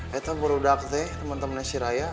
ya itu baru udah aku teh temen temennya si raya